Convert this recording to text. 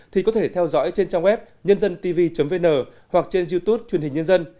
thì có thể theo dõi trên trang web nhândântv vn hoặc trên youtube truyền hình nhân dân